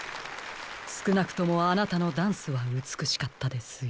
すくなくともあなたのダンスはうつくしかったですよ。